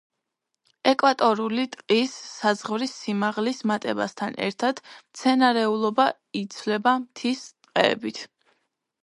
ეკვატორული ტყის საზღვრის სიმაღლის მატებასთან ერთად მცენარეულობა იცვლება მთის ტყეებით.